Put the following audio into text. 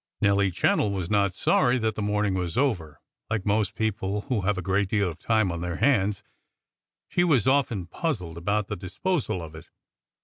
Nelly Channell was not sorry that the morning was over. Like most people who have a great deal of time on their hands, she was often puzzled about the disposal of it.